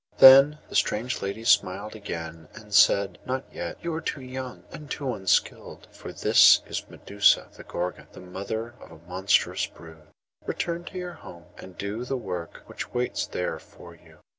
Then the strange lady smiled again, and said: 'Not yet; you are too young, and too unskilled; for this is Medusa the Gorgon, the mother of a monstrous brood. Return to your home, and do the work which waits there for you.